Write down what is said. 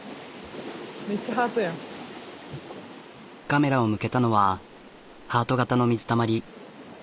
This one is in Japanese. カメラを向けたのはハート型の水たまり。